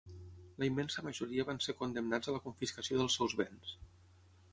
La immensa majoria van ser condemnats a la confiscació dels seus béns.